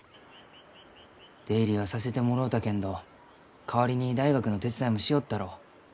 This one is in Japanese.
出入りはさせてもろうたけんど代わりに大学の手伝いもしよったろう。